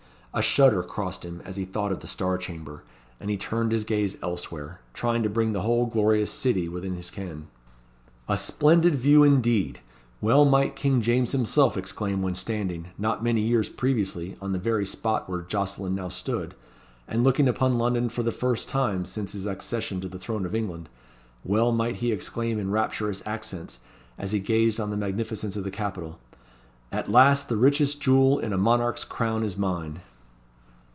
A shudder crossed him as he thought of the Star Chamber, and he turned his gaze elsewhere, trying to bring the whole glorious city within his ken. A splendid view, indeed! Well might King James himself exclaim when standing, not many years previously, on the very spot where Jocelyn now stood, and looking upon London for the first time since his accession to the throne of England well might he exclaim in rapturous accents, as he gazed on the magnificence of his capital "At last the richest jewel in a monarch's crown is mine!"